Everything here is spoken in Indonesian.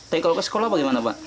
tapi kalau ke sekolah bagaimana pak